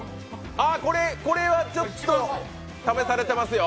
これはちょっと試されてますよ！